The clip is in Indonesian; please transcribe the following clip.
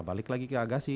nah balik lagi ke agassi